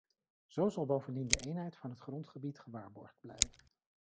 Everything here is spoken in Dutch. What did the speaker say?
Zo zal bovendien de eenheid van het grondgebied gewaarborgd blijven.